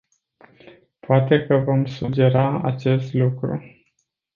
Poate că vom sugera acest lucru.